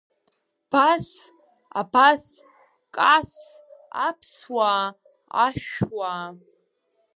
Бас, абас, касс, аԥсуаа, ашәуаа…